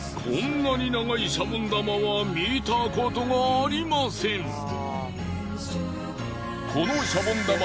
こんなに長いシャボン玉は見たことがありません。